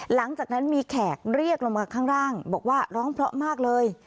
หลังจากนั้นมีแขกเรียกลงมาข้างล่างบอกว่าร้องเพราะมากเลย